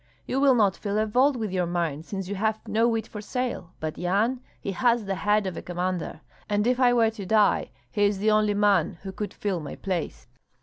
You will not fill a vault with your mind, since you have no wit for sale; but Yan, he has the head of a commander, and if I were to die he is the only man who could fill my place."